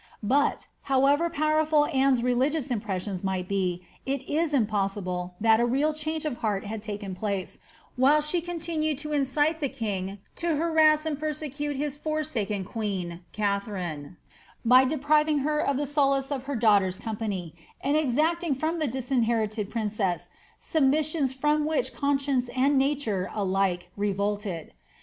But, however powerful Anne's religious impressions might be, it is impossible that a real change of heart had taken place, while she continued to incite the king to harass and persecute his for saken queen, Katharine, by depriving her of the solace of her daughter's company, and exacting from the disinherited princess submissions from which conscience and nature alike revolted.